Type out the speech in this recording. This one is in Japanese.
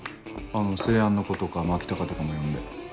「生安」の子とか牧高とかも呼んで。